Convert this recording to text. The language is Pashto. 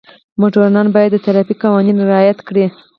موټروان باید د ټرافیک قوانین رعایت کړي.